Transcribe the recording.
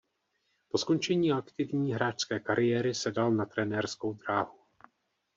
Po skončení aktivní hráčské kariéry se dal na trenérskou dráhu.